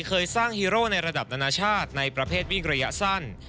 การเรียสงสัย